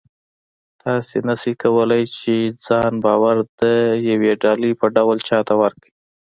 تاسې نه شئ کولی پر ځان باور د یوې ډالۍ په ډول چاته ورکړئ